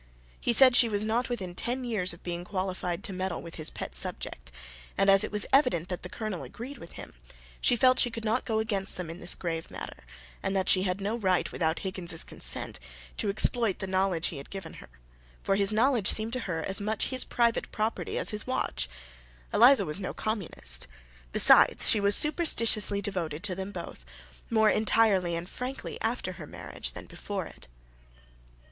He said she was not within ten years of being qualified to meddle with his pet subject; and as it was evident that the Colonel agreed with him, she felt she could not go against them in this grave matter, and that she had no right, without Higgins's consent, to exploit the knowledge he had given her; for his knowledge seemed to her as much his private property as his watch: Eliza was no communist. Besides, she was superstitiously devoted to them both, more entirely and frankly after her marriage than before it.